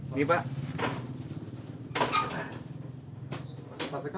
bapak mau cari stomatik